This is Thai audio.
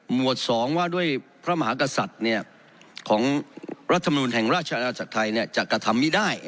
วด๒ว่าด้วยพระมหากษัตริย์ของรัฐมนุนแห่งราชอาณาจักรไทยจะกระทำไม่ได้